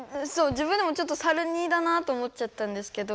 自分でもちょっとサル似だなと思っちゃったんですけど。